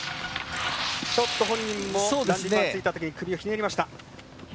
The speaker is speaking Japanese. ちょっと本人もランディングがついた時に首をひねりました。